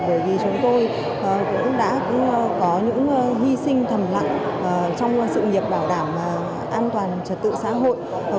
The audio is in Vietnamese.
bởi vì chúng tôi cũng đã có những hy sinh thầm lặng trong sự nghiệp bảo đảm an toàn trật tự xã hội